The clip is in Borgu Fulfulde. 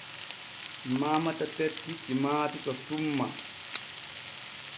Mamata tettti timaati to tumma.